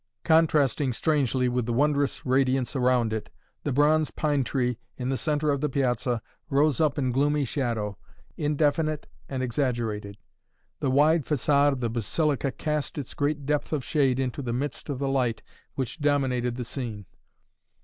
Contrasting strangely with the wondrous radiance around it, the bronze pine tree in the centre of the piazza rose up in gloomy shadow, indefinite and exaggerated. The wide facade of the Basilica cast its great depth of shade into the midst of the light which dominated the scene.